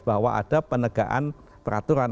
bahwa ada penegaan peraturan